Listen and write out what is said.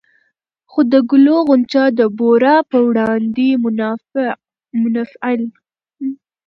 خو د ګلو غونچه د بورا پر وړاندې منفعل